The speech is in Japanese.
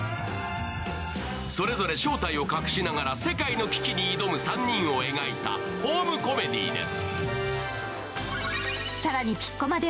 それぞれ正体を隠しながら世界の危機に挑む３人を描いたホームコメディーです。